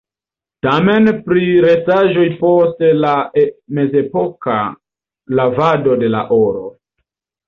Temas pri restaĵoj post la mezepoka lavado de la oro.